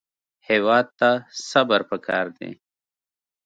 هېواد ته صبر پکار دی